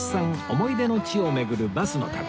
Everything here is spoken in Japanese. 思い出の地を巡るバスの旅